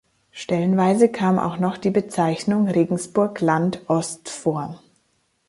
Stellenweise kam auch noch die Bezeichnung Regensburg-Land-Ost vor.